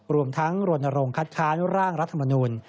รวมทั้งรณรงค์คัดค้านร่างรัฐมนุน